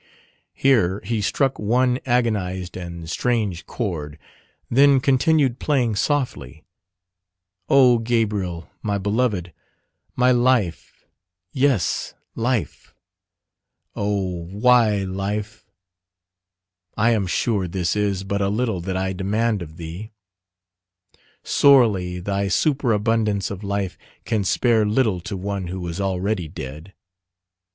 Here he struck one agonized and strange chord, then continued playing softly, "O, Gabriel, my beloved! my life, yes life oh, why life? I am sure this is but a little that I demand of thee. Sorely thy superabundance of life can spare little to one who is already dead.